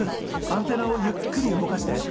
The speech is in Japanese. アンテナをゆっくり動かして。